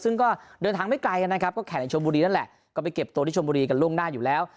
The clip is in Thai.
ซึ่งก็เดินทางไม่ไกลกันนะครับก็แข่งในชนบุรีนั่นแหละก็ไปเก็บตัวที่ชนบุรีกันล่วงหน้าอยู่แล้ว